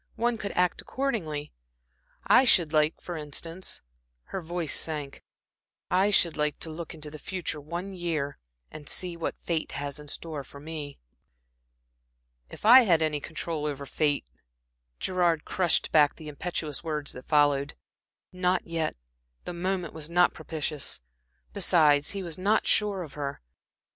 One could act accordingly. I should like, for instance" her voice sank "I should like to look into the future one year, and see what fate has in store for me." "If I had any control over fate" Gerard crushed back the impetuous words that followed. Not yet the moment was not propitious. Besides, he was not sure of her.